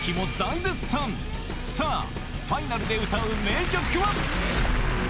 さぁファイナルで歌う名曲は？